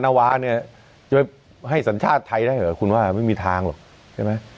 นาวาเนี่ยจะให้สัญชาติไทยได้เหรอคุณว่าไม่มีทางหรอกใช่ไหม